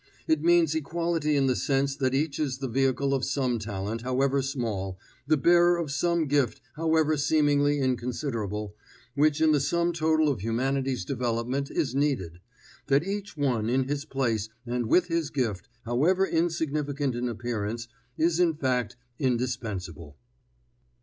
It means equality in the sense that each is the vehicle of some talent, however small, the bearer of some gift, however seemingly inconsiderable, which in the sum total of humanity's development is needed; that each one in his place and with his gift, however insignificant in appearance, is in fact indispensable.